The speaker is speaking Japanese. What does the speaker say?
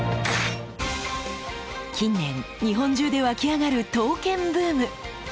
近年日本中で沸き上がる刀剣ブーム。